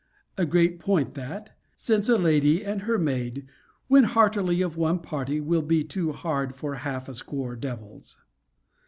A great point that! since a lady and her maid, when heartily of one party, will be too hard for half a score devils.